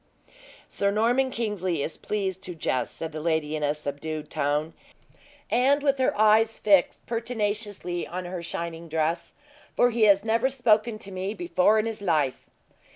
"Sir Norman Kingsley is pleased to jest," said the lady, in a subdued tone, and with her eyes fixed pertinaciously on her shining dress; "for he has never spoken to me before in his life!"